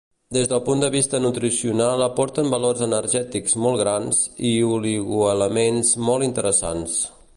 Des del punt de vista nutricional aporten valors energètics molt grans i oligoelements molt interessants.